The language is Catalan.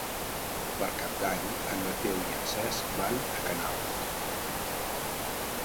Per Cap d'Any en Mateu i en Cesc van a Canals.